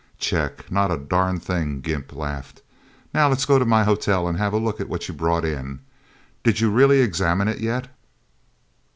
"Check. Not a darn thing," Gimp laughed. "Now let's go to my hotel and have a look at what you brought in. Did you really examine it, yet?"